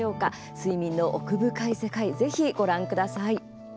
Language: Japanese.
睡眠の奥深い世界ぜひご覧ください。